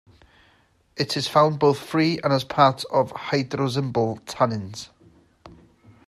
It is found both free and as part of hydrolyzable tannins.